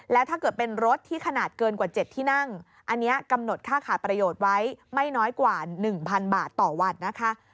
แล้วถ้าเกิดเป็นรถที่ขนาดเกินกว่า๗ที่นั่งอันนี้กำหนดค่าขาดประโยชน์ไว้ไม่น้อยกว่า๑๐๐บาทต่อวันนะคะ